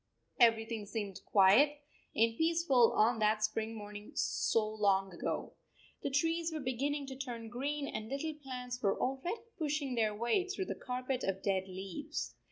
Everything seemed quiet and peaceful on that spring morning so long ago. The trees were beginning to turn green and little plants were already pushing their way through the carpet of dead leaves.